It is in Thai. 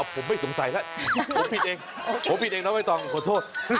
ผมไม่สงสัยแล้วผมผิดเองผมผิดเองน้องไม่ต้องขอโทษ